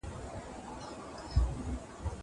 زه وخت نه تېرووم.